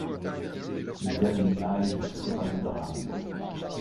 Le dernier live sera le drame.